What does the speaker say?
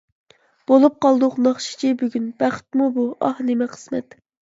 بولۇپ قالدۇق ناخشىچى بۈگۈن، بەختمۇ بۇ، ئاھ نېمە قىسمەت.